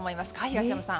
東山さん。